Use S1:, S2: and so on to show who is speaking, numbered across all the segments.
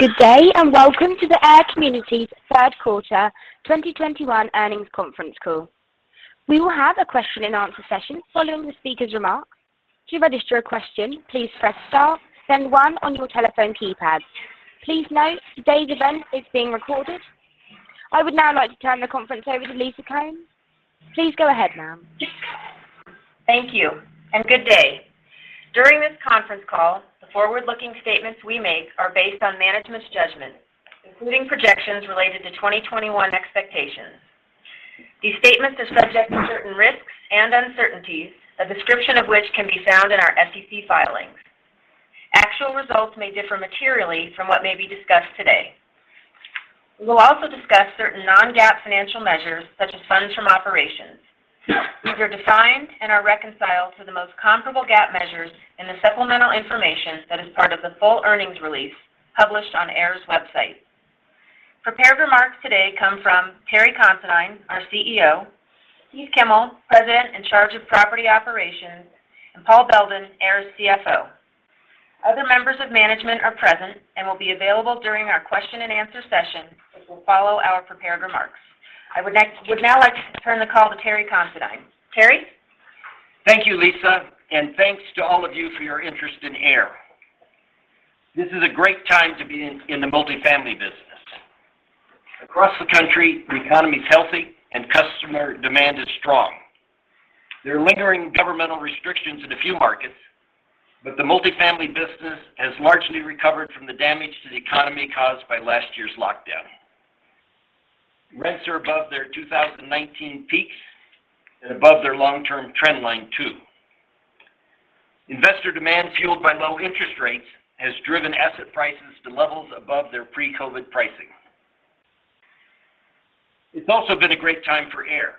S1: Good day, and welcome to the AIR Communities third quarter 2021 earnings conference call. We will have a Q&A session following the speakers' remarks. To register a question, please press star then one on your telephone keypad. Please note today's event is being recorded. I would now like to turn the conference over to Lisa Cohn. Please go ahead, ma'am.
S2: Thank you, and good day. During this conference call, the forward-looking statements we make are based on management's judgment, including projections related to 2021 expectations. These statements are subject to certain risks and uncertainties, a description of which can be found in our SEC filings. Actual results may differ materially from what may be discussed today. We will also discuss certain non-GAAP financial measures, such as funds from operations. These are defined and are reconciled to the most comparable GAAP measures in the supplemental information that is part of the full earnings release published on AIR's website. Prepared remarks today come from Terry Considine, our CEO, Keith Kimmel, President in charge of Property Operations, and Paul Beldin, AIR's CFO. Other members of management are present and will be available during our Q&A session, which will follow our prepared remarks. I would now like to turn the call to Terry Considine. Terry?
S3: Thank you, Lisa, and thanks to all of you for your interest in AIR. This is a great time to be in the multifamily business. Across the country, the economy's healthy, and customer demand is strong. There are lingering governmental restrictions in a few markets, but the multifamily business has largely recovered from the damage to the economy caused by last year's lockdown. Rents are above their 2019 peaks and above their long-term trend line, too. Investor demand fueled by low interest rates has driven asset prices to levels above their pre-COVID pricing. It's also been a great time for AIR.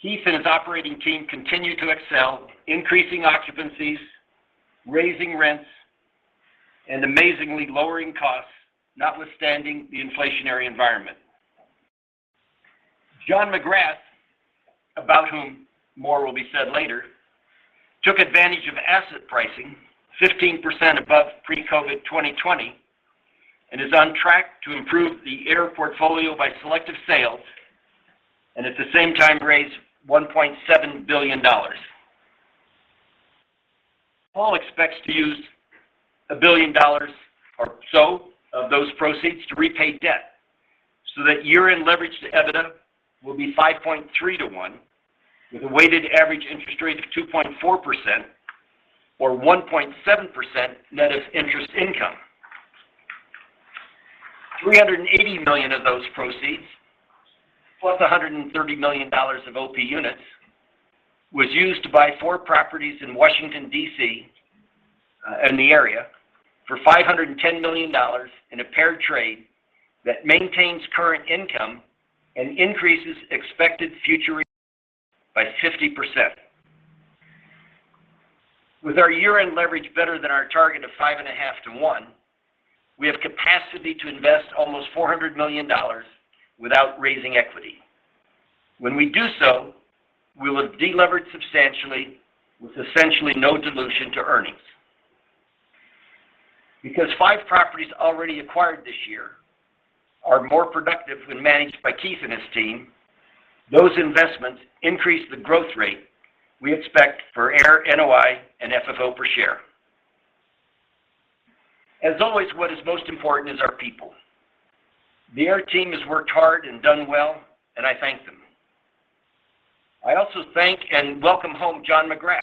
S3: Keith and his operating team continue to excel, increasing occupancies, raising rents, and amazingly lowering costs notwithstanding the inflationary environment. John McGrath, about whom more will be said later, took advantage of asset pricing 15% above pre-COVID 2020 and is on track to improve the AIR portfolio by selective sales and at the same time raise $1.7 billion. Paul expects to use $1 billion or so of those proceeds to repay debt so that year-end leverage to EBITDA will be $5.3-$1, with a weighted average interest rate of 2.4% or 1.7% net of interest income. $380 million of those proceeds, plus $130 million of OP units, was used to buy four properties in Washington, D.C., and the area, for $510 million in a paired trade that maintains current income and increases expected future by 50%. With our year-end leverage better than our target of $5.5-$1, we have capacity to invest almost $400 million without raising equity. When we do so, we will have delevered substantially with essentially no dilution to earnings. Because five properties already acquired this year are more productive when managed by Keith and his team, those investments increase the growth rate we expect for AIR NOI and FFO per share. As always, what is most important is our people. The AIR team has worked hard and done well, and I thank them. I also thank and welcome home John McGrath,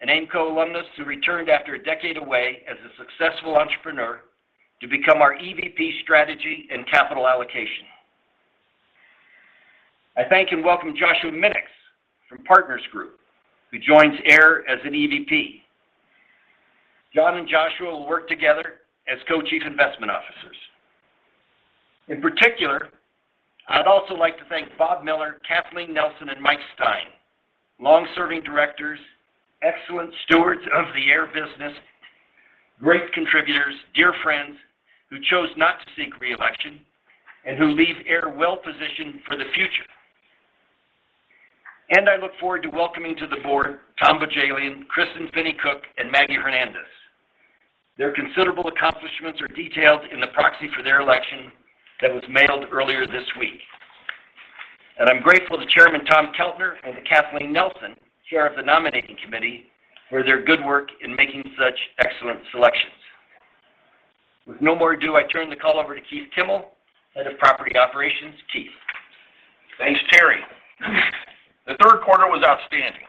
S3: an Aimco alumnus who returned after a decade away as a successful entrepreneur to become our EVP, Strategy and Capital Allocation. I thank and welcome Joshua Minix from Partners Group, who joins AIR as an EVP. John and Joshua will work together as co-Chief Investment Officers. In particular, I'd also like to thank Bob Miller, Kathleen Nelson, and Mike Stein, long-serving directors, excellent stewards of the AIR business, great contributors, dear friends who chose not to seek reelection and who leave AIR well-positioned for the future. I look forward to welcoming to the board Tom Bohjalian, Kristin Finney-Cooke, and Margarita Paláu-Hernández. Their considerable accomplishments are detailed in the proxy for their election that was mailed earlier this week. I'm grateful to Chairman Tom Keltner and to Kathleen Nelson, Chair of the Nominating Committee, for their good work in making such excellent selections. With no more ado, I turn the call over to Keith Kimmel, head of Property Operations. Keith.
S4: Thanks, Terry. The third quarter was outstanding.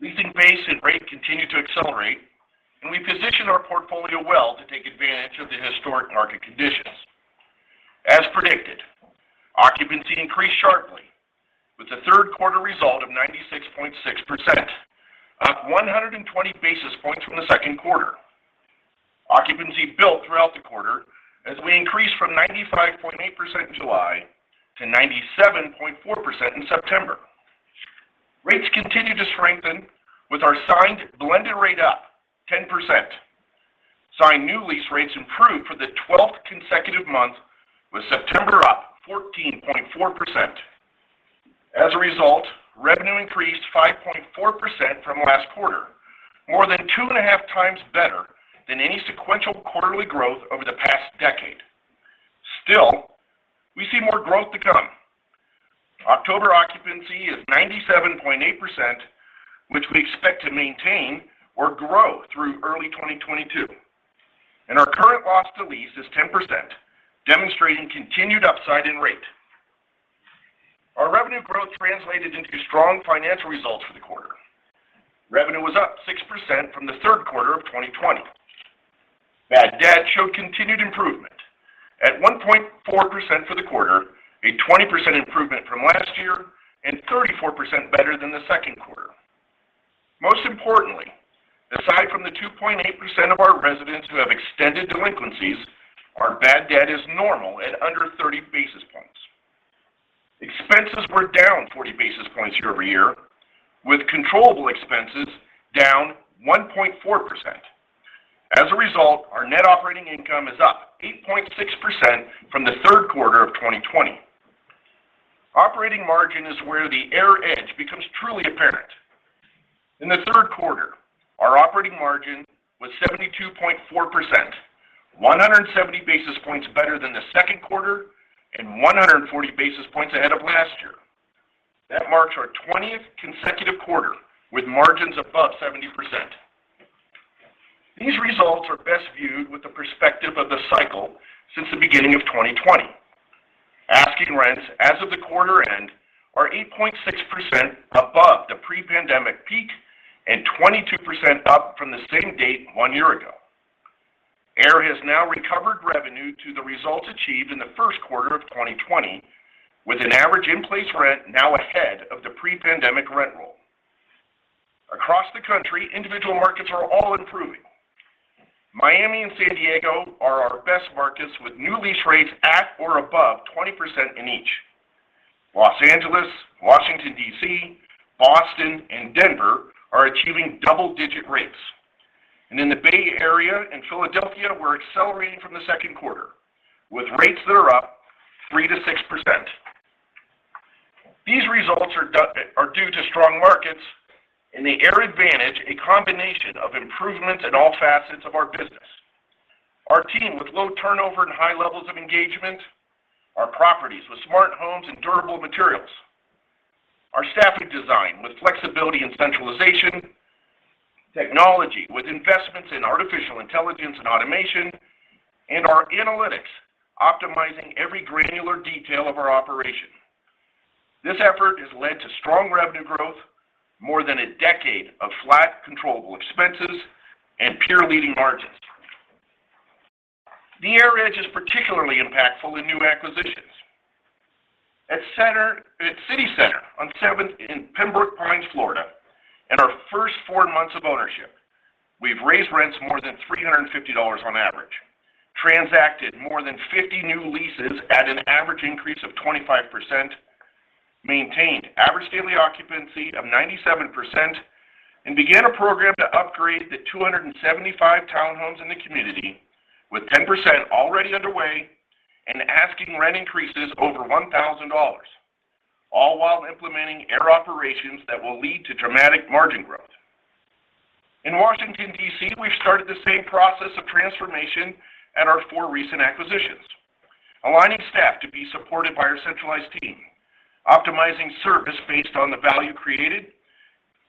S4: Leasing pace and rate continued to accelerate, and we positioned our portfolio well to take advantage of the historic market conditions. As predicted, occupancy increased sharply, with a third quarter result of 96.6%, up 120 basis points from the second quarter. Occupancy built throughout the quarter as we increased from 95.8% in July to 97.4% in September. Rates continued to strengthen with our signed blended rate up 10%. Signed new lease rates improved for the 12th consecutive month, with September up 14.4%. Revenue increased 5.4% from last quarter, more than 2.5x better than any sequential quarterly growth over the past decade. Still, we see more growth to come. October occupancy is 97.8%, which we expect to maintain or grow through early 2022. Our current loss to lease is 10%, demonstrating continued upside in rate. Our revenue growth translated into strong financial results for the quarter. Revenue was up 6% from the third quarter of 2020. Bad debt showed continued improvement. At 1.4% for the quarter, a 20% improvement from last year, and 34% better than the second quarter. Most importantly, aside from the 2.8% of our residents who have extended delinquencies, our bad debt is normal at under 30 basis points. Expenses were down 40 basis points year-over-year, with controllable expenses down 1.4%. As a result, our net operating income is up 8.6% from the third quarter of 2020. Operating margin is where the AIR edge becomes truly apparent. In the third quarter, our operating margin was 72.4%, 170 basis points better than the second quarter, and 140 basis points ahead of last year. That marks our 20th consecutive quarter with margins above 70%. These results are best viewed with the perspective of the cycle since the beginning of 2020. Asking rents as of the quarter end are 8.6% above the pre-pandemic peak and 22% up from the same date one year ago. AIR has now recovered revenue to the results achieved in the first quarter of 2020, with an average in-place rent now ahead of the pre-pandemic rent roll. Across the country, individual markets are all improving. Miami and San Diego are our best markets, with new lease rates at or above 20% in each. Los Angeles, Washington, D.C., Boston, and Denver are achieving double-digit rates. In the Bay Area and Philadelphia, we're accelerating from the second quarter, with rates that are up 3%-6%. These results are due to strong markets and the AIR advantage, a combination of improvements in all facets of our business. Our team with low turnover and high levels of engagement, our properties with smart homes and durable materials, our staffing design with flexibility and centralization, technology with investments in artificial intelligence and automation, and our analytics optimizing every granular detail of our operation. This effort has led to strong revenue growth, more than a decade of flat, controllable expenses and peer-leading margins. The AIR edge is particularly impactful in new acquisitions. At City Center on seventh in Pembroke Pines, Florida, in our first four months of ownership, we've raised rents more than $350 on average, transacted more than 50 new leases at an average increase of 25%, maintained average daily occupancy of 97%, and began a program to upgrade the 275 townhomes in the community, with 10% already underway and asking rent increases over $1,000, all while implementing AIR operations that will lead to dramatic margin growth. In Washington, D.C., we've started the same process of transformation at our four recent acquisitions, aligning staff to be supported by our centralized team, optimizing service based on the value created,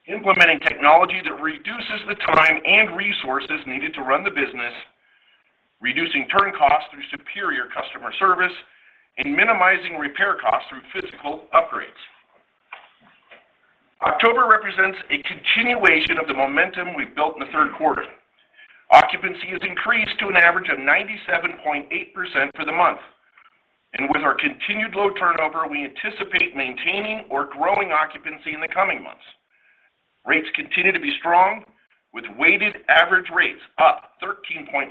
S4: implementing technology that reduces the time and resources needed to run the business, reducing turn costs through superior customer service, and minimizing repair costs through physical upgrades. October represents a continuation of the momentum we've built in the third quarter. Occupancy has increased to an average of 97.8% for the month. With our continued low turnover, we anticipate maintaining or growing occupancy in the coming months. Rates continue to be strong, with weighted average rates up 13.6%.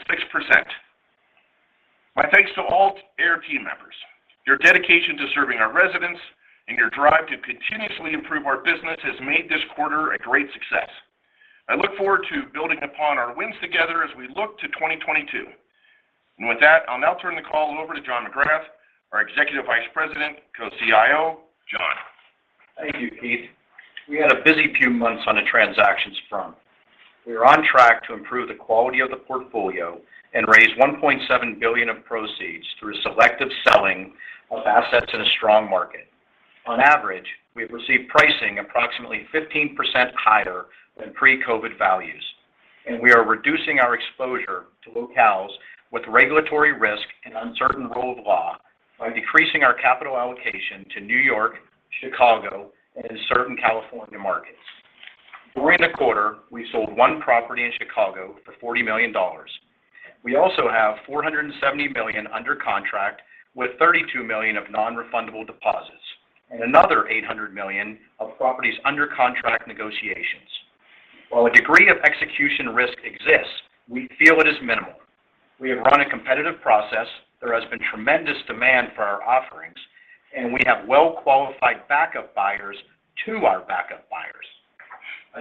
S4: My thanks to all AIR team members. Your dedication to serving our residents and your drive to continuously improve our business has made this quarter a great success. I look forward to building upon our wins together as we look to 2022. With that, I'll now turn the call over to John McGrath, our Executive Vice President, co-CIO. John.
S5: Thank you, Keith. We had a busy few months on the transactions front. We are on track to improve the quality of the portfolio and raise $1.7 billion of proceeds through selective selling of assets in a strong market. On average, we've received pricing approximately 15% higher than pre-COVID values. We are reducing our exposure to locales with regulatory risk and uncertain rule of law by decreasing our capital allocation to New York, Chicago, and in certain California markets. During the quarter, we sold one property in Chicago for $40 million. We also have $470 million under contract with $32 million of non-refundable deposits and another $800 million of properties under contract negotiations. While a degree of execution risk exists, we feel it is minimal. We have run a competitive process, there has been tremendous demand for our offerings, and we have well-qualified backup buyers to our backup buyers.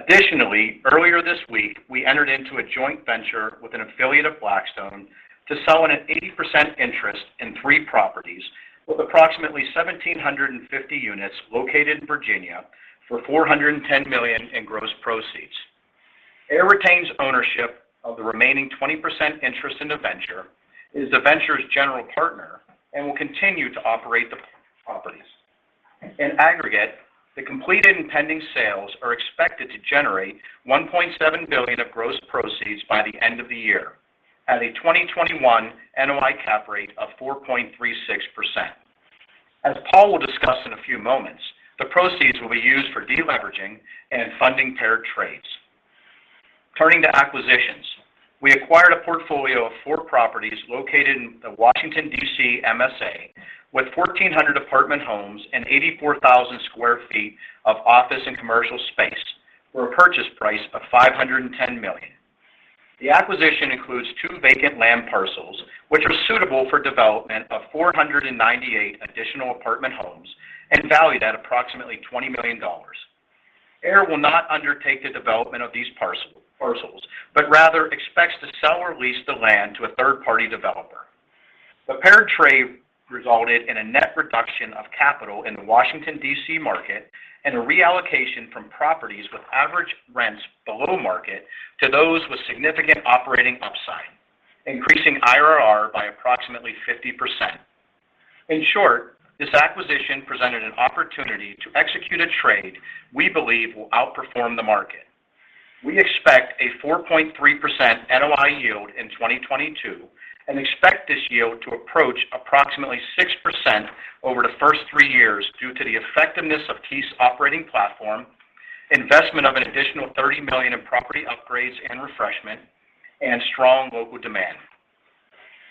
S5: Additionally, earlier this week, we entered into a joint venture with an affiliate of Blackstone to sell an 80% interest in three properties with approximately 1,750 units located in Virginia for $410 million in gross proceeds. AIR retains ownership of the remaining 20% interest in the venture, is the venture's general partner, and will continue to operate the properties. In aggregate, the completed and pending sales are expected to generate $1.7 billion of gross proceeds by the end of the year at a 2021 NOI cap rate of 4.36%. As Paul will discuss in a few moments, the proceeds will be used for deleveraging and in funding paired trades. Turning to acquisitions. We acquired a portfolio of four properties located in the Washington, D.C. MSA with 1,400 apartment homes and 84,000 sq ft of office and commercial space for a purchase price of $510 million. The acquisition includes two vacant land parcels which are suitable for development of 498 additional apartment homes and valued at approximately $20 million. AIR will not undertake the development of these parcels, but rather expects to sell or lease the land to a third-party developer. The paired trade resulted in a net reduction of capital in the Washington, D.C. market and a reallocation from properties with average rents below market to those with significant operating upside, increasing IRR by approximately 50%. In short, this acquisition presented an opportunity to execute a trade we believe will outperform the market. We expect a 4.3% NOI yield in 2022 and expect this yield to approach approximately 6% over the first three years due to the effectiveness of Keith's operating platform, investment of an additional $30 million in property upgrades and refreshment, and strong local demand.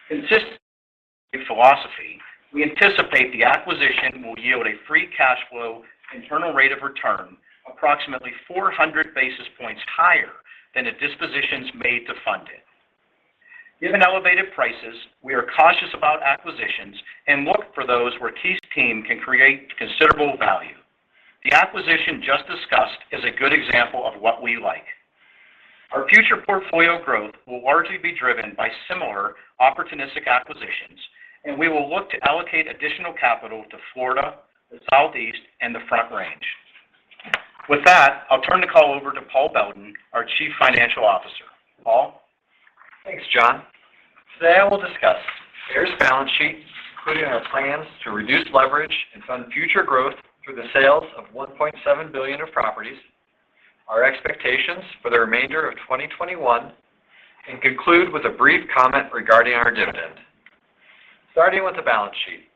S5: Consistent with our philosophy, we anticipate the acquisition will yield a free cash flow internal rate of return approximately 400 basis points higher than the dispositions made to fund it. Given elevated prices, we are cautious about acquisitions and look for those where Keith's team can create considerable value. The acquisition just discussed is a good example of what we like. Our future portfolio growth will largely be driven by similar opportunistic acquisitions, and we will look to allocate additional capital to Florida, the Southeast, and the Front Range. With that, I'll turn the call over to Paul Beldin, our Chief Financial Officer. Paul.
S6: Thanks, John. Today, I will discuss AIR's balance sheet, including our plans to reduce leverage and fund future growth through the sales of $1.7 billion of properties, our expectations for the remainder of 2021, and conclude with a brief comment regarding our dividend. Starting with the balance sheet.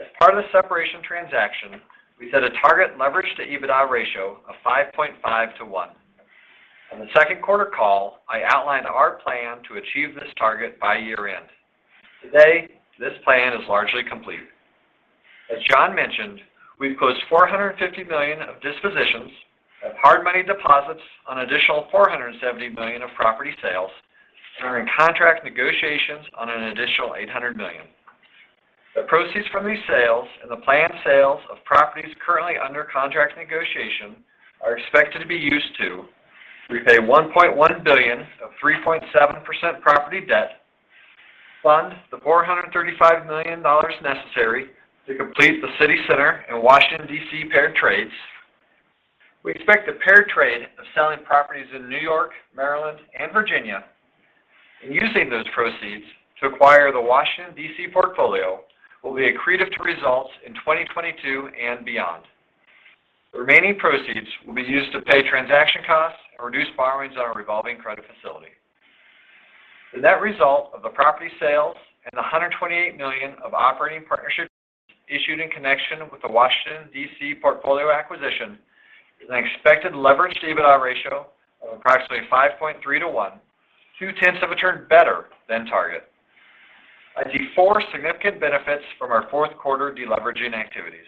S6: As part of the separation transaction, we set a target leverage to EBITDA ratio of $5.5-$1. On the second quarter call, I outlined our plan to achieve this target by year-end. Today, this plan is largely complete. As John mentioned, we've closed $450 million of dispositions and have earnest money deposits on additional $470 million of property sales and are in contract negotiations on an additional $800 million. The proceeds from these sales and the planned sales of properties currently under contract negotiation are expected to be used to repay $1.1 billion of 3.7% property debt, fund the $435 million necessary to complete the City Center in Washington, D.C. paired trades. We expect the paired trade of selling properties in New York, Maryland, and Virginia, and using those proceeds to acquire the Washington, D.C. portfolio will be accretive to results in 2022 and beyond. The remaining proceeds will be used to pay transaction costs and reduce borrowings on our revolving credit facility. The net result of the property sales and the $128 million of operating partnership issued in connection with the Washington, D.C. portfolio acquisition is an expected leverage to EBITDA ratio of approximately $5.3-$1, 2x of a turn better than target. I see four significant benefits from our fourth quarter deleveraging activities.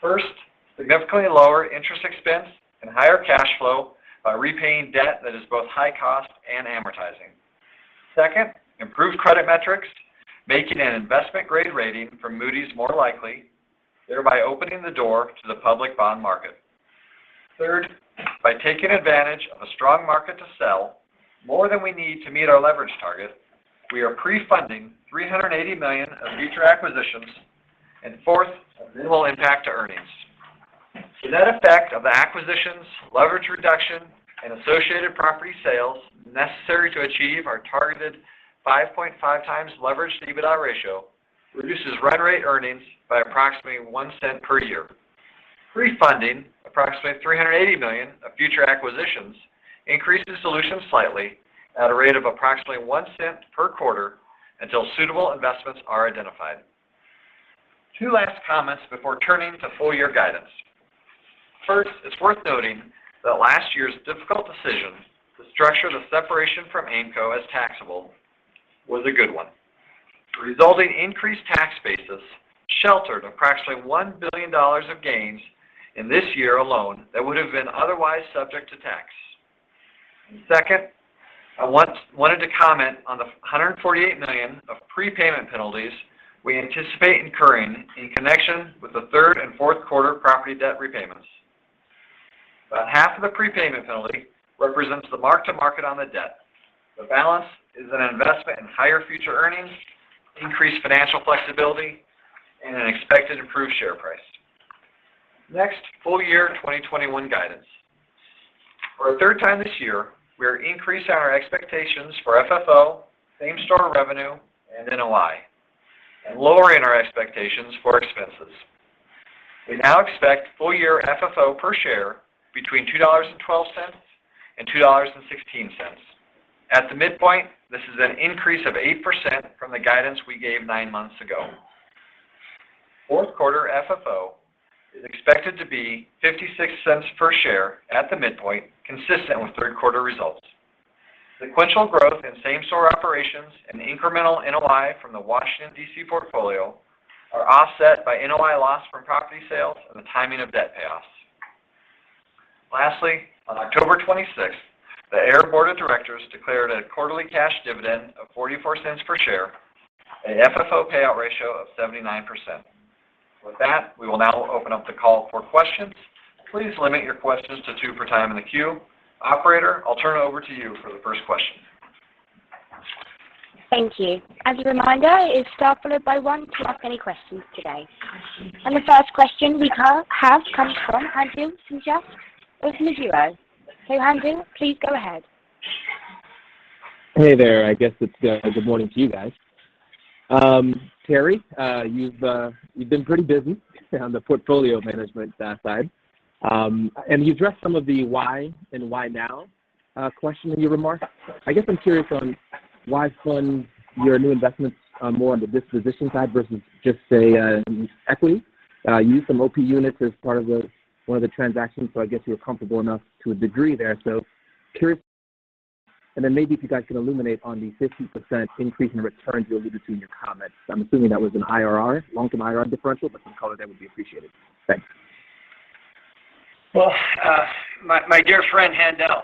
S6: First, significantly lower interest expense and higher cash flow by repaying debt that is both high cost and amortizing. Second, improved credit metrics, making an investment-grade rating from Moody's more likely, thereby opening the door to the public bond market. Third, by taking advantage of a strong market to sell more than we need to meet our leverage target, we are pre-funding $380 million of future acquisitions. Fourth, a minimal impact to earnings. The net effect of the acquisitions, leverage reduction, and associated property sales necessary to achieve our targeted 5.5x leverage to EBITDA ratio reduces run rate earnings by approximately $0.01 per year. Pre-funding approximately $380 million of future acquisitions increases solution slightly at a rate of approximately $0.01 per quarter until suitable investments are identified. Two last comments before turning to full-year guidance. First, it's worth noting that last year's difficult decision to structure the separation from Aimco as taxable was a good one. The resulting increased tax basis sheltered approximately $1 billion of gains in this year alone that would have been otherwise subject to tax. Second, I wanted to comment on the $148 million of prepayment penalties we anticipate incurring in connection with the third and fourth quarter property debt repayments. About half of the prepayment penalty represents the mark-to-market on the debt. The balance is an investment in higher future earnings, increased financial flexibility, and an expected improved share price. Next, full year 2021 guidance. For a third time this year, we are increasing our expectations for FFO, same-store revenue, and NOI, and lowering our expectations for expenses. We now expect full year FFO per share between $2.12 and $2.16. At the midpoint, this is an increase of 8% from the guidance we gave nine months ago. Fourth quarter FFO is expected to be $0.56 per share at the midpoint, consistent with third quarter results. Sequential growth in same-store operations and incremental NOI from the Washington, D.C. portfolio are offset by NOI loss from property sales and the timing of debt payoffs. Lastly, on October 26th, the AIR Board of Directors declared a quarterly cash dividend of $0.44 per share at a FFO payout ratio of 79%. With that, we will now open up the call for questions. Please limit your questions to two at a time in the queue. Operator, I'll turn it over to you for the first question.
S1: Thank you. As a reminder, it's star followed by one to ask any questions today. The first question we have comes from Haendel St. Juste of Mizuho. Haendel, please go ahead.
S7: Hey there. I guess it's good morning to you guys. Terry, you've been pretty busy on the portfolio management side. You addressed some of the why and why now question in your remarks. I guess I'm curious on why fund your new investments more on the disposition side versus just say in equity. You used some OP units as part of one of the transactions, so I guess you're comfortable enough to a degree there. Curious. Then maybe if you guys could illuminate on the 50% increase in returns you alluded to in your comments. I'm assuming that was an IRR, long-term IRR differential, but some color there would be appreciated. Thanks.
S3: Well, my dear friend, Haendel,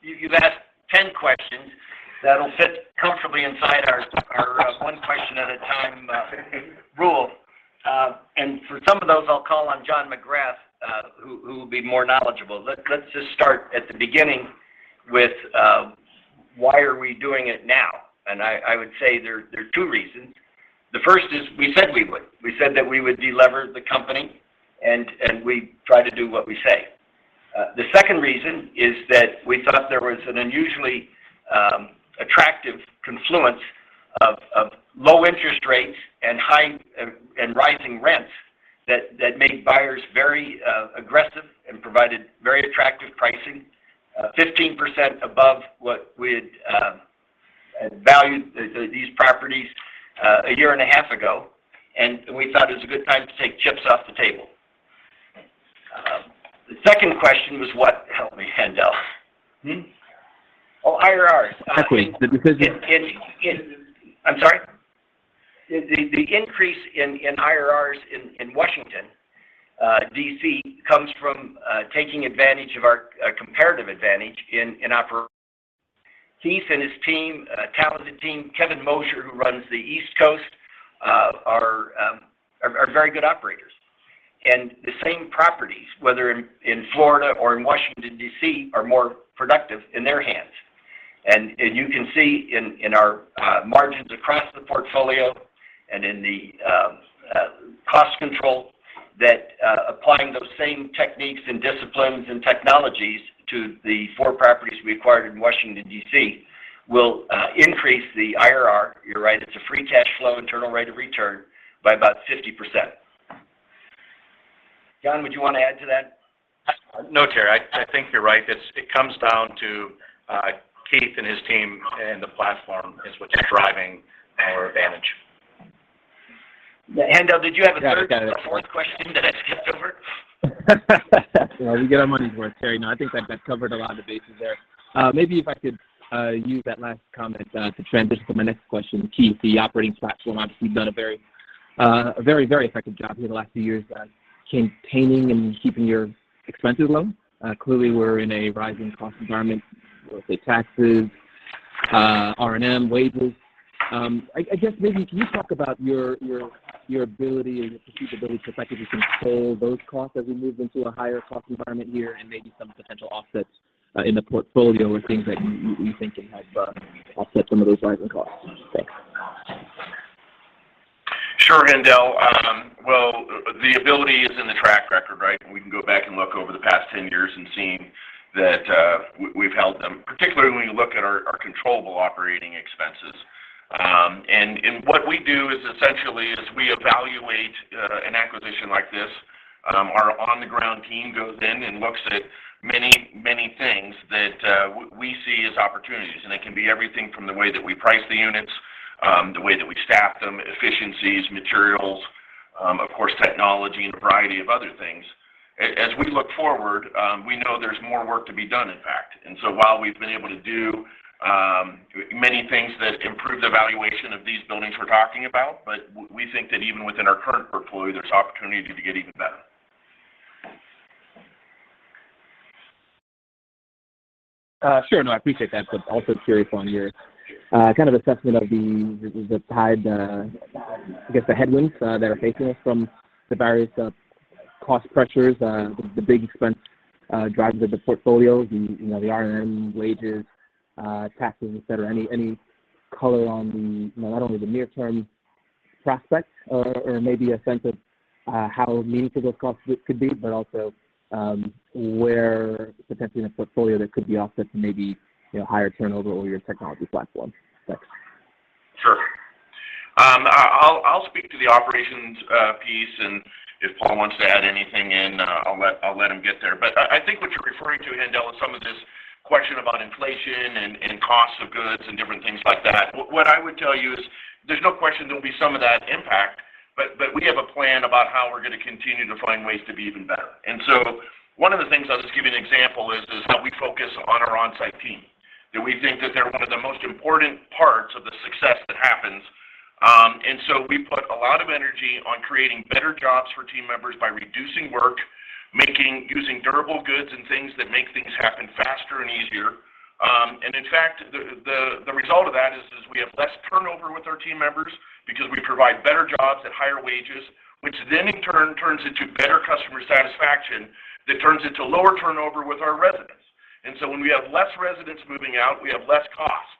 S3: you've asked 10 questions that'll fit comfortably inside our one question at a time rule. For some of those, I'll call on John McGrath, who will be more knowledgeable. Let's just start at the beginning with why are we doing it now? I would say there are two reasons. The first is we said we would. We said that we would de-lever the company, and we try to do what we say. The second reason is that we thought there was an unusually attractive confluence of low interest rates and high and rising rents that made buyers very aggressive and provided very attractive pricing 15% above what we'd valued these properties a year and a half ago, and we thought it was a good time to take chips off the table. The second question was what? Help me, Haendel.
S7: Hmm? Oh, IRRs.
S3: Equity. The increase in IRRs in Washington, D.C. comes from taking advantage of our comparative advantage in operations. Keith and his team, talented team, Kevin Mosher, who runs the East Coast, are very good operators. The same properties, whether in Florida or in Washington, D.C., are more productive in their hands. You can see in our margins across the portfolio and in the cost control that applying those same techniques and disciplines and technologies to the four properties we acquired in Washington, D.C. will increase the IRR. You're right, it's a free cash flow internal rate of return by about 50%. John, would you wanna add to that?
S5: No, Terry. I think you're right. It comes down to Keith and his team, and the platform is what's driving our advantage.
S3: Yeah. Haendel, did you have a third or fourth question that I skipped over?
S7: No, we get our money's worth, Terry. No, I think that covered a lot of the bases there. Maybe if I could use that last comment to transition to my next question. Keith, the operating platform obviously done a very effective job here the last few years at containing and keeping your expenses low. Clearly we're in a rising cost environment, whether it's taxes, R&M, wages. I guess maybe can you talk about your ability or your foreseeability to effectively control those costs as we move into a higher cost environment here, and maybe some potential offsets in the portfolio or things that you think can help offset some of those rising costs? Thanks.
S4: Sure, Haendel. Well, the ability is in the track record, right? We can go back and look over the past 10 years and seen that, we've held them, particularly when you look at our controllable operating expenses. What we do is essentially we evaluate an acquisition like this. Our on-the-ground team goes in and looks at many, many things that we see as opportunities, and it can be everything from the way that we price the units, the way that we staff them, efficiencies, materials, of course, technology and a variety of other things. As we look forward, we know there's more work to be done, in fact. While we've been able to do many things that improve the valuation of these buildings we're talking about, but we think that even within our current portfolio, there's opportunity to get even better.
S7: Sure. No, I appreciate that. Also curious on your kind of assessment of the tide, I guess, the headwinds that are facing us from the various cost pressures, the big expense drivers of the portfolios, you know, the R&M wages, taxes, et cetera. Any color on the, you know, not only the near-term prospects or maybe a sense of how meaningful those costs could be, but also where potentially in a portfolio there could be offsets and maybe, you know, higher turnover over your technology platform. Thanks.
S4: Sure. I'll speak to the operations piece, and if Paul wants to add anything in, I'll let him get there. I think what you're referring to, Haendel, is some of this question about inflation and costs of goods and different things like that. What I would tell you is there's no question there'll be some of that impact, but we have a plan about how we're gonna continue to find ways to be even better. One of the things, I'll just give you an example, is that we focus on our on-site team that we think that they're one of the most important parts of the success that happens. We put a lot of energy on creating better jobs for team members by reducing work, making. Using durable goods and things that make things happen faster and easier. In fact, the result of that is we have less turnover with our team members because we provide better jobs at higher wages, which then in turn turns into better customer satisfaction that turns into lower turnover with our residents. When we have less residents moving out, we have less costs.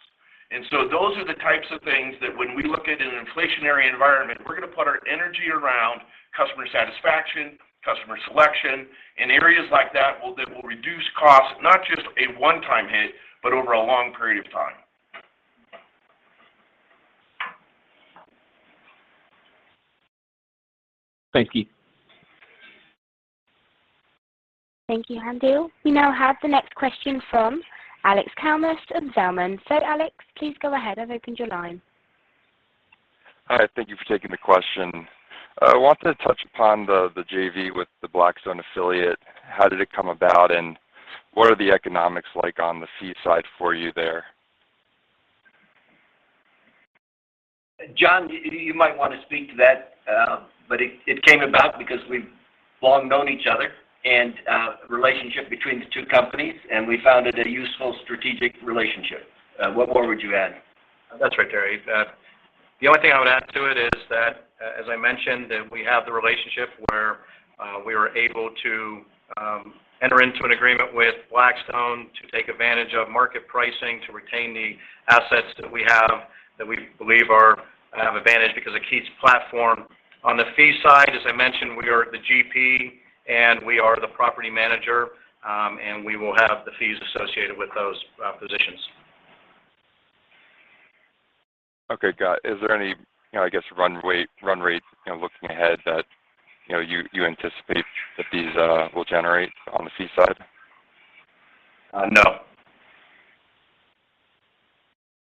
S4: Those are the types of things that when we look at an inflationary environment, we're gonna put our energy around customer satisfaction, customer selection, and areas like that that will reduce costs, not just a one-time hit, but over a long period of time.
S7: Thank you.
S1: Thank you, Haendel. We now have the next question from Alexander Kalmus of Zelman & Associates. Alex, please go ahead. I've opened your line.
S8: Hi, thank you for taking the question. I wanted to touch upon the JV with the Blackstone affiliate. How did it come about, and what are the economics like on the fee side for you there?
S3: John, you might wanna speak to that, but it came about because we've long known each other and relationship between the two companies, and we found it a useful strategic relationship. What more would you add?
S5: That's right, Terry. The only thing I would add to it is that, as I mentioned, that we have the relationship where we were able to enter into an agreement with Blackstone to take advantage of market pricing to retain the assets that we have that we believe are have advantage because it keeps platform. On the fee side, as I mentioned, we are the GP, and we are the property manager, and we will have the fees associated with those positions.
S8: Okay. Got it. Is there any, you know, I guess, run rate, you know, looking ahead that, you know, you anticipate the fees will generate on the fee side?
S5: No.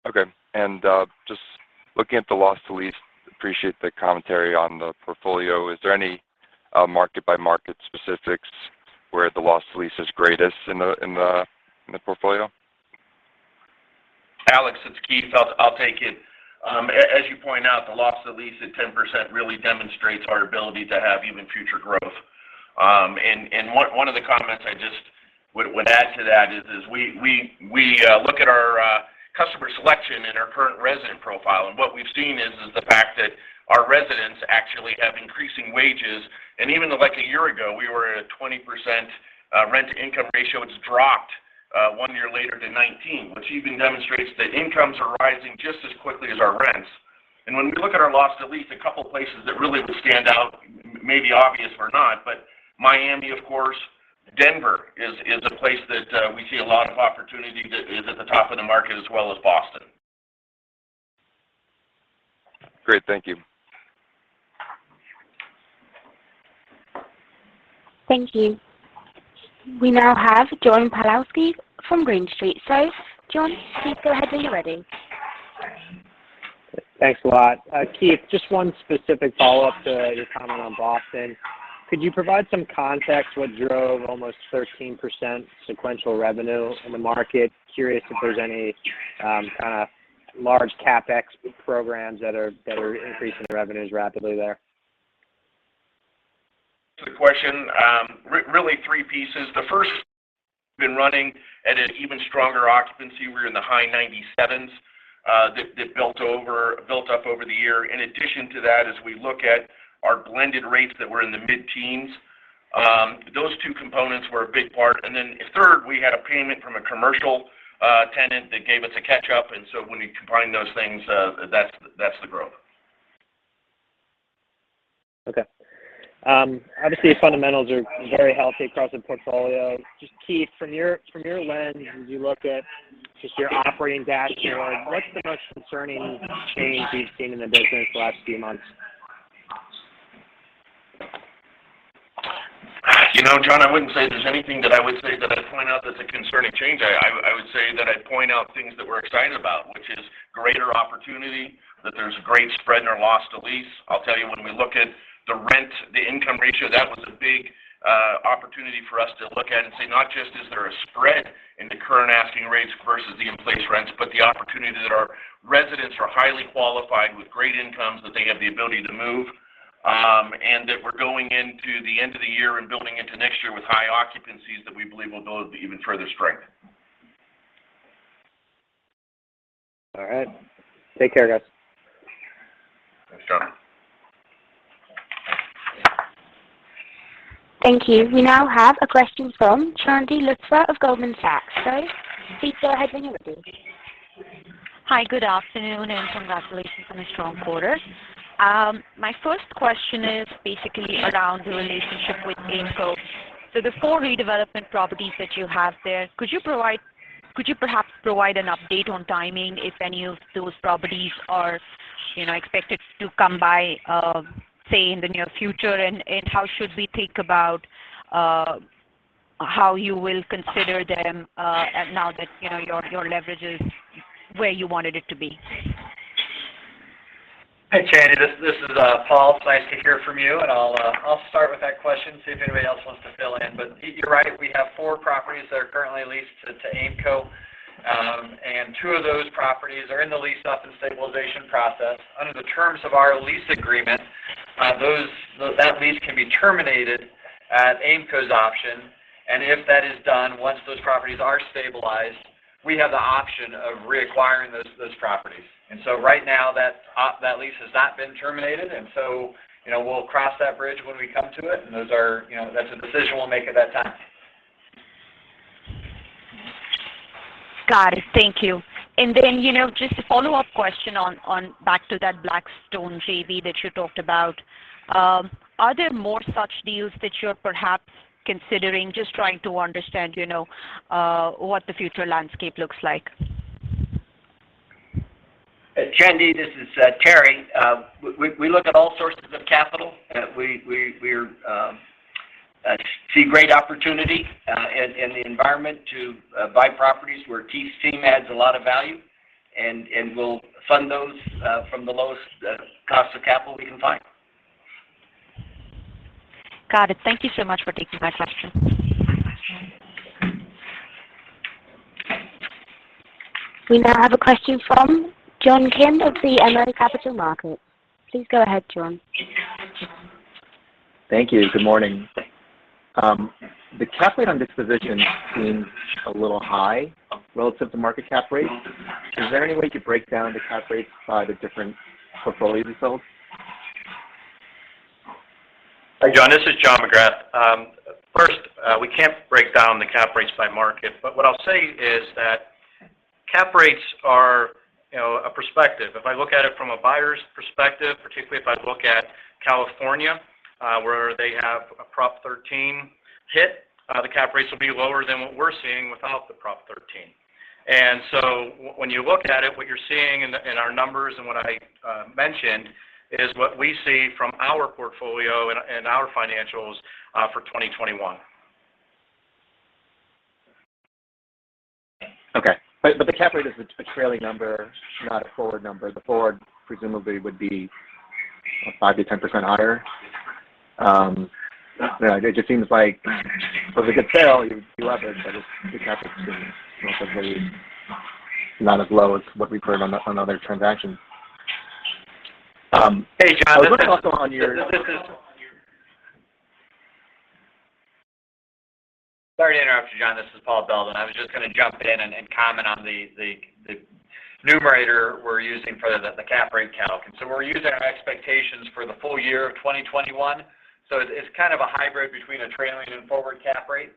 S8: Okay. Just looking at the loss to lease, appreciate the commentary on the portfolio. Is there any market-by-market specifics where the loss to lease is greatest in the portfolio?
S4: Alex, it's Keith. I'll take it. As you point out, the loss to lease at 10% really demonstrates our ability to have even future growth. One of the comments I just would add to that is we look at our customer selection and our current resident profile, and what we've seen is the fact that our residents actually have increasing wages. Even like a year ago, we were at a 20% rent income ratio. It's dropped one year later to 19%, which even demonstrates that incomes are rising just as quickly as our rents. When we look at our loss to lease, a couple places that really would stand out, maybe obvious or not, but Miami, of course, Denver is a place that we see a lot of opportunity that is at the top of the market as well as Boston.
S8: Great. Thank you.
S1: Thank you. We now have John Pawlowski from Green Street. John, please go ahead when you're ready.
S9: Thanks a lot. Keith, just one specific follow-up to your comment on Boston. Could you provide some context what drove almost 13% sequential revenue in the market? Curious if there's any kind of large CapEx programs that are increasing the revenues rapidly there.
S4: Good question. Really three pieces. The first has been running at an even stronger occupancy. We're in the high 97s, that built up over the year. In addition to that, as we look at our blended rates that were in the mid-teens, those two components were a big part. Third, we had a payment from a commercial tenant that gave us a catch-up, so when you combine those things, that's the growth.
S9: Okay. Obviously fundamentals are very healthy across the portfolio. Just Keith, from your lens, as you look at just your operating dashboard, what's the most concerning change you've seen in the business the last few months?
S4: You know, John, I wouldn't say there's anything that I would say that I'd point out that's a concerning change. I would say that I'd point out things that we're excited about, which is greater opportunity, that there's great spread in our loss to lease. I'll tell you, when we look at the rent, the income ratio, that was a big opportunity for us to look at and say, not just is there a spread in the current asking rates versus the in-place rents, but the opportunity that our residents are highly qualified with great incomes, that they have the ability to move, and that we're going into the end of the year and building into next year with high occupancies that we believe will build even further strength.
S9: All right. Take care, guys.
S4: Thanks, John.
S1: Thank you. We now have a question from Chandni Luthra of Goldman Sachs. Please go ahead when you're ready.
S10: Hi. Good afternoon, and congratulations on a strong quarter. My first question is basically around the relationship with Aimco. The four redevelopment properties that you have there, could you perhaps provide an update on timing if any of those properties are, you know, expected to come by, say in the near future? And how should we think about how you will consider them now that, you know, your leverage is where you wanted it to be?
S6: Hey, Chandni, this is Paul. It's nice to hear from you. I'll start with that question, see if anybody else wants to fill in. You're right. We have four properties that are currently leased to Aimco. Two of those properties are in the lease-up and stabilization process. Under the terms of our lease agreement, that lease can be terminated at Aimco's option. If that is done, once those properties are stabilized, we have the option of reacquiring those properties. Right now that lease has not been terminated, so you know, we'll cross that bridge when we come to it. You know, that's a decision we'll make at that time.
S10: Got it. Thank you. You know, just a follow-up question on back to that Blackstone JV that you talked about. Are there more such deals that you're perhaps considering? Just trying to understand, you know, what the future landscape looks like.
S3: Chandni, this is Terry. We look at all sources of capital. We see great opportunity in the environment to buy properties where Keith's team adds a lot of value, and we'll fund those from the lowest cost of capital we can find.
S10: Got it. Thank you so much for taking my question.
S1: We now have a question from John Kim of BMO Capital Markets. Please go ahead, John.
S11: Thank you. Good morning. The cap rate on disposition seems a little high relative to market cap rates. Is there any way to break down the cap rates by the different portfolios being sold?
S5: Hi, John. This is John McGrath. First, we can't break down the cap rates by market, but what I'll say is that cap rates are, you know, a perspective. If I look at it from a buyer's perspective, particularly if I look at California, where they have a Prop 13 hit, the cap rates will be lower than what we're seeing without the Prop 13. When you look at it, what you're seeing in our numbers and what I mentioned is what we see from our portfolio and our financials for 2021.
S11: Okay. The cap rate is a trailing number, not a forward number. The forward presumably would be, you know, 5%-10% higher. You know, it just seems like for the good sale, you love it, but the cap rate seems possibly not as low as what we've heard on other transactions. Sorry to interrupt you, John. This is Paul Beldin. I was just gonna jump in and comment on the numerator we're using for the cap rate calc. We're using our expectations for the full year of 2021, so it's kind of a hybrid between a trailing and forward cap rate.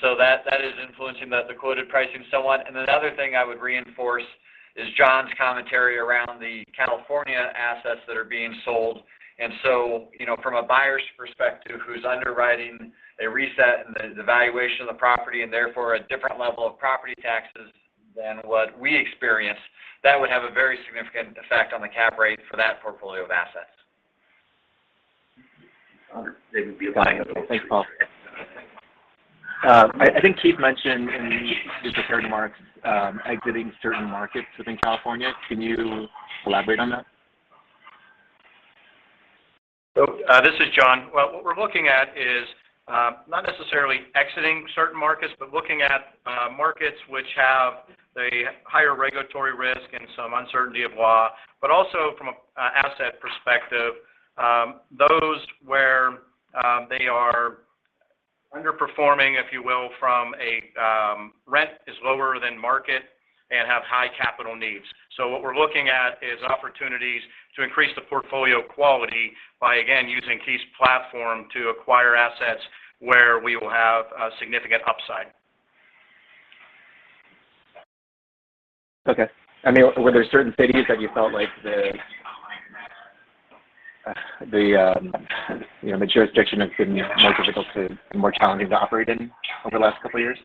S11: That is influencing the quoted pricing and so on. Another thing I would reinforce is John's commentary around the California assets that are being sold. You know, from a buyer's perspective, who's underwriting a reset and the valuation of the property and therefore a different level of property taxes than what we experienced, that would have a very significant effect on the cap rate for that portfolio of assets. Understood. Thanks, Paul. I think Keith mentioned in his prepared remarks, exiting certain markets within California. Can you elaborate on that?
S5: This is John. Well, what we're looking at is not necessarily exiting certain markets, but looking at markets which have the higher regulatory risk and some uncertainty of law, but also from an asset perspective, those where they are underperforming, if you will, from a rent is lower than market and have high capital needs. What we're looking at is opportunities to increase the portfolio quality by, again, using Keith's platform to acquire assets where we will have a significant upside.
S11: Okay. I mean, were there certain cities that you felt like the, you know, the jurisdiction has been more difficult to and more challenging to operate in over the last couple of years?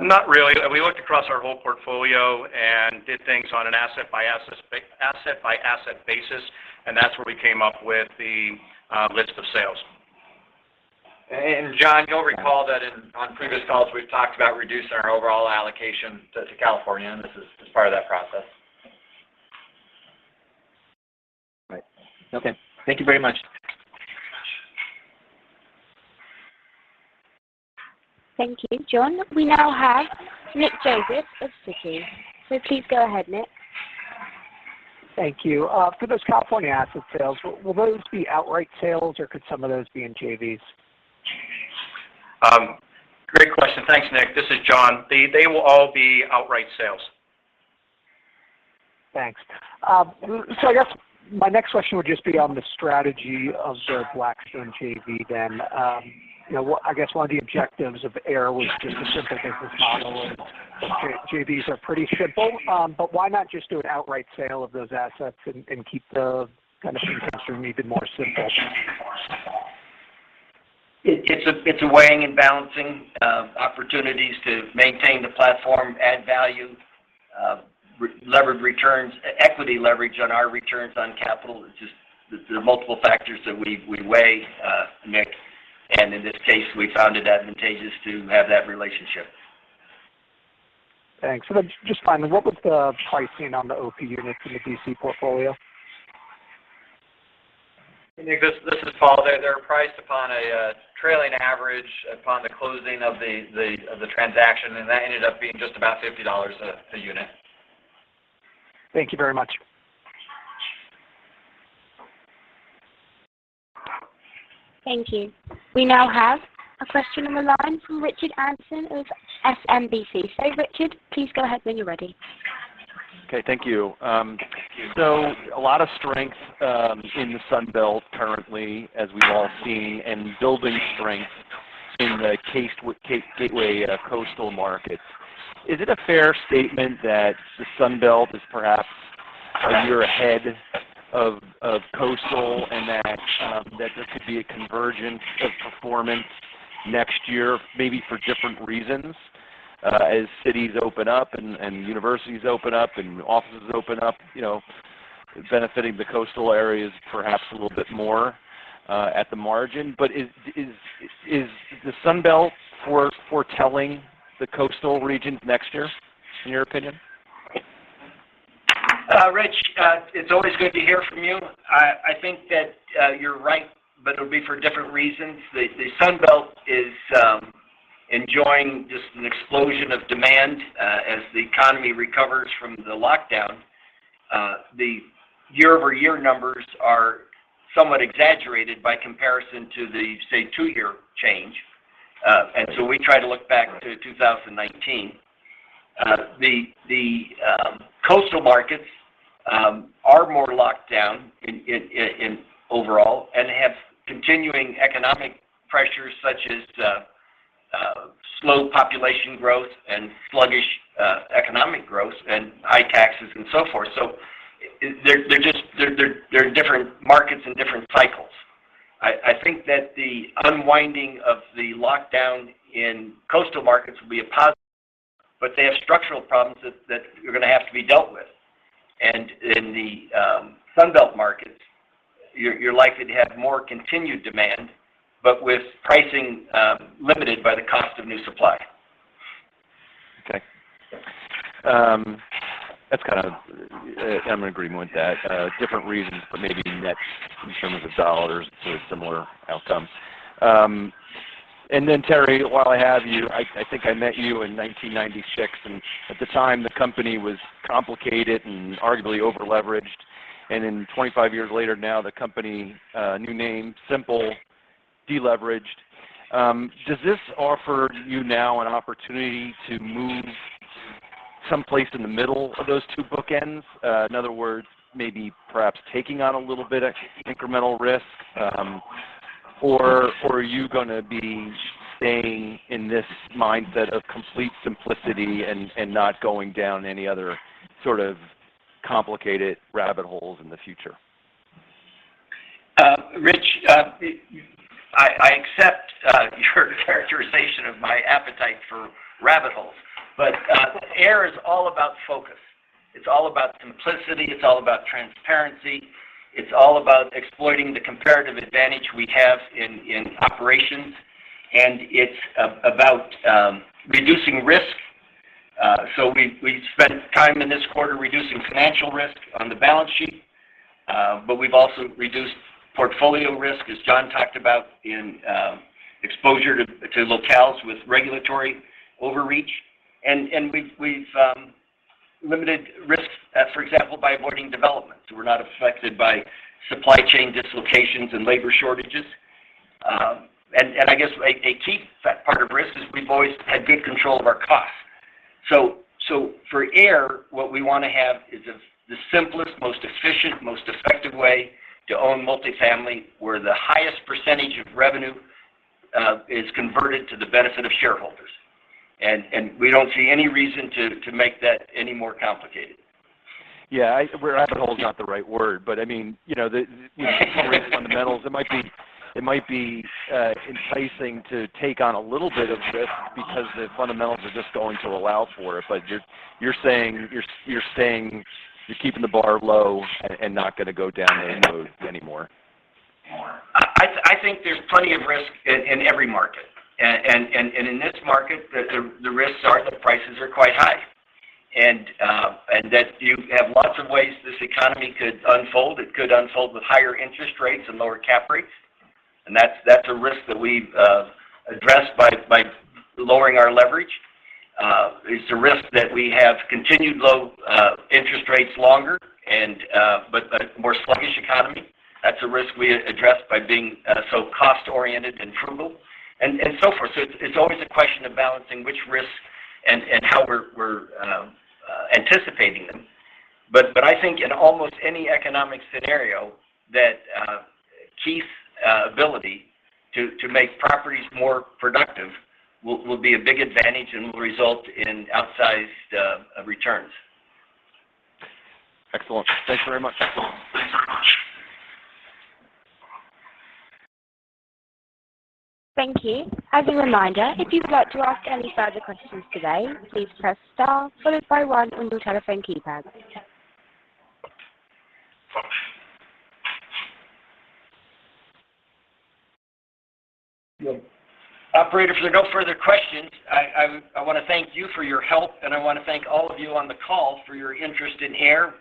S5: Not really. We looked across our whole portfolio and did things on an asset by asset basis, and that's where we came up with the list of sales.
S3: John, you'll recall that on previous calls, we've talked about reducing our overall allocation to California, and this is just part of that process.
S11: Right. Okay. Thank you very much.
S1: Thank you, John. We now have Nick Joseph of Citi. Please go ahead, Nick.
S12: Thank you. For those California asset sales, will those be outright sales or could some of those be in JVs?
S5: Great question. Thanks, Nick. This is John. They will all be outright sales.
S12: Thanks. I guess my next question would just be on the strategy of the Blackstone JV then. You know, I guess one of the objectives of AIR was just to simplify the model, and JVs are pretty simple. But why not just do an outright sale of those assets and keep the kind of infrastructure even more simple?
S3: It's a weighing and balancing of opportunities to maintain the platform, add value, re-levered returns, equity leverage on our returns on capital. It's just, there are multiple factors that we weigh, Nick, and in this case, we found it advantageous to have that relationship.
S12: Thanks. Just finally, what was the pricing on the OP units in the D.C. portfolio?
S6: Nick, this is Paul. They were priced upon a trailing average upon the closing of the transaction. That ended up being just about $50 a unit.
S12: Thank you very much.
S1: Thank you. We now have a question on the line from Rich Anderson of SMBC. Richard, please go ahead when you're ready.
S13: Okay. Thank you. A lot of strength in the Sun Belt currently, as we've all seen, and building strength in the coastal gateway markets. Is it a fair statement that the Sun Belt is perhaps a year ahead of coastal and that this could be a convergence of performance next year, maybe for different reasons, as cities open up and universities open up, and offices open up, you know, benefiting the coastal areas perhaps a little bit more at the margin? Is the Sun Belt foretelling the coastal regions next year, in your opinion?
S3: Rich, it's always good to hear from you. I think that you're right, but it'll be for different reasons. The Sun Belt is enjoying just an explosion of demand as the economy recovers from the lockdown. The year-over-year numbers are somewhat exaggerated by comparison to the, say, two-year change. We try to look back to 2019. The coastal markets are more locked down in overall and have continuing economic pressures such as slow population growth and sluggish economic growth and high taxes and so forth. So they're different markets and different cycles. I think that the unwinding of the lockdown in coastal markets will be a positive, but they have structural problems that are gonna have to be dealt with. In the Sun Belt markets, you're likely to have more continued demand, but with pricing limited by the cost of new supply.
S13: Okay. That's kind of. I'm in agreement with that. Different reasons, but maybe net in terms of the dollars to a similar outcome. Terry, while I have you, I think I met you in 1996, and at the time, the company was complicated and arguably over-leveraged. 25 years later now, the company, new name, simple, de-leveraged. Does this offer you now an opportunity to move someplace in the middle of those two bookends? In other words, maybe perhaps taking on a little bit of incremental risk, or are you gonna be staying in this mindset of complete simplicity and not going down any other sort of complicated rabbit holes in the future?
S3: Rich, I accept your characterization of my appetite for rabbit holes, but AIR is all about focus. It's all about simplicity. It's all about transparency. It's all about exploiting the comparative advantage we have in operations, and it's about reducing risk. We spent time in this quarter reducing financial risk on the balance sheet, but we've also reduced portfolio risk, as John talked about in exposure to locales with regulatory overreach. We've limited risk, for example, by avoiding development. We're not affected by supply chain dislocations and labor shortages. I guess a key part of risk is we've always had good control of our costs. For AIR, what we wanna have is the simplest, most efficient, most effective way to own multifamily, where the highest percentage of revenue is converted to the benefit of shareholders. We don't see any reason to make that any more complicated.
S13: Yeah. Rabbit hole is not the right word, but I mean, you know, the fundamentals, it might be enticing to take on a little bit of risk because the fundamentals are just going to allow for it. You're saying you're keeping the bar low and not gonna go down that road anymore.
S3: I think there's plenty of risk in every market. In this market, the risks are that the prices are quite high and that you have lots of ways this economy could unfold. It could unfold with higher interest rates and lower cap rates. That's a risk that we've addressed by lowering our leverage. It's a risk of continued low interest rates longer and a more sluggish economy. That's a risk we addressed by being so cost-oriented and frugal and so forth. It's always a question of balancing which risk and how we're anticipating them. I think in almost any economic scenario that Keith's ability to make properties more productive will be a big advantage and will result in outsized returns.
S13: Excellent. Thanks very much.
S1: Thank you. As a reminder, if you'd like to ask any further questions today, please press star followed by one on your telephone keypad.
S3: Operator, if there are no further questions, I wanna thank you for your help, and I wanna thank all of you on the call for your interest in AIR.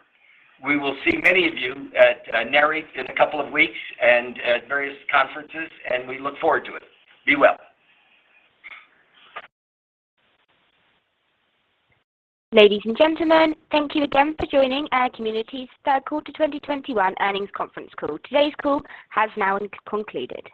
S3: We will see many of you at Nareit in a couple of weeks and at various conferences, and we look forward to it. Be well.
S1: Ladies and gentlemen, thank you again for joining AIR Communities Third Quarter 2021 Earnings Conference Call. Today's call has now concluded.